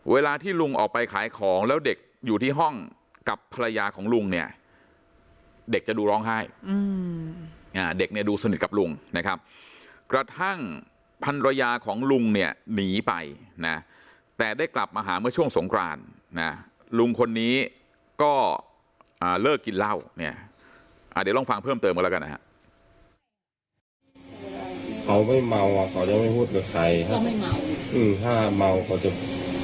เวลาที่ลุงออกไปขายของแล้วเด็กอยู่ที่ห้องกับภรรยาของลุงเนี่ยเด็กจะดูร้องไห้เด็กเนี่ยดูสนิทกับลุงนะครับกระทั่งพันรยาของลุงเนี่ยหนีไปนะแต่ได้กลับมาหาเมื่อช่วงสงครานนะลุงคนนี้ก็เลิกกินเหล้าเนี่ยเดี๋ยวลองฟังเพิ่มเติมกันแล้วกันนะฮะ